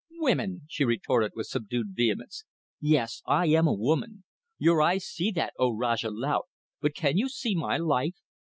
"Women!" she retorted, with subdued vehemence. "Yes, I am a woman! Your eyes see that, O Rajah Laut, but can you see my life?